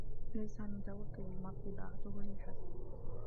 لَيْسَ مِنْ تَوَكُّلِ الْمَرْءِ إضَاعَتُهُ لِلْحَزْمِ